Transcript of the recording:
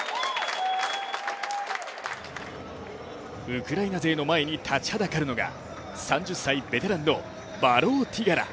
ウクライナ勢の前に立ちはだかるのが、３０歳、ベテランのバローティガラ。